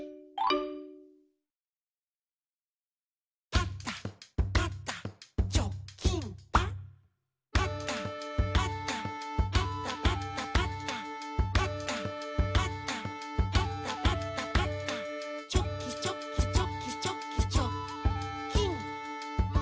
「パタパタパタパタパタ」「パタパタパタパタパタ」「チョキチョキチョキチョキチョッキン！」